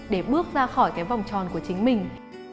để bước ra khỏi cái vòng tròn của chính mình